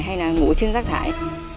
hay là ngủ trên rác thải